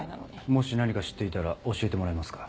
もし何か知っていたら教えてもらえますか？